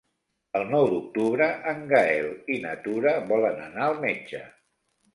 El nou d'octubre en Gaël i na Tura volen anar al metge.